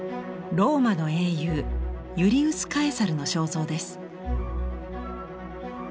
ローマの英雄ユリウス・カエサルの肖像です。